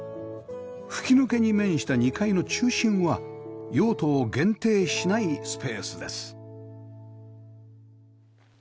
吹き抜けに面した２階の中心は用途を限定しないスペースです